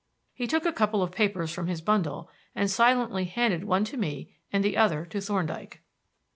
He took a couple of papers from his bundle and silently handed one to me and the other to Thorndyke.